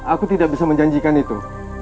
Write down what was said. aku tidak bisa menjanjikan itu